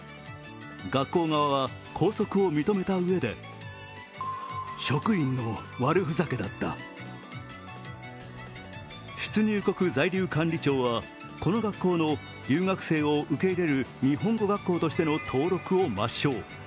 学校側は、拘束を認めたうえで出入国在留管理庁はこの学校の留学生を受け入れる日本語学校としての登録を抹消。